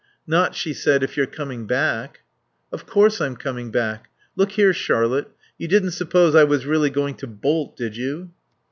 "Not," she said, "if you're coming back." "Of course I'm coming back.... Look here, Charlotte. You didn't suppose I was really going to bolt, did you?"